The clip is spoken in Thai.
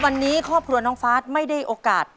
วันนี้ครอบครัวน้องฟ้าไม่ได้โอกาส